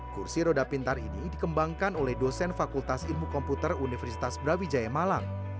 kursi roda pintar ini dikembangkan oleh dosen fakultas ilmu komputer universitas brawijaya malang